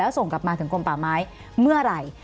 ส่งกลับมาถึงกรมป่าไม้เมื่อไหร่